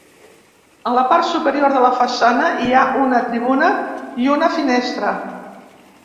A la part superior de la façana hi ha una tribuna i una finestra.